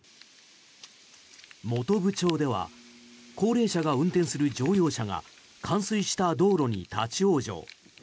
本部町では高齢者が運転する乗用車が冠水した道路に立ち往生。